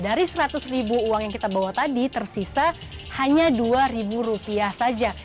dari seratus ribu uang yang kita bawa tadi tersisa hanya dua ribu rupiah saja